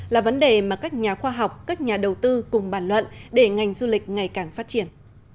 là vấn đề mà các nhà khoa học các nhà đầu tư cùng bàn luận để ngành du lịch ngày càng phát triển